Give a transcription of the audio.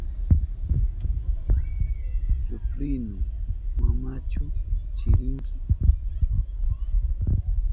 Suprinu, ¿manachu chirinki?